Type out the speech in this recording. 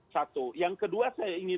satu yang kedua saya ingin